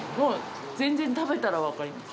全然食べたら分かります。